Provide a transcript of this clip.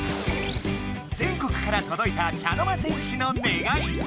全国からとどいた茶の間戦士の願い。